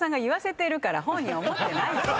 本人思ってないから。